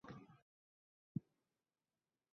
Ĝi kunigas la al la nerva sistemo.